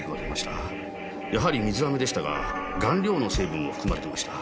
やはり水飴でしたが顔料の成分も含まれてました。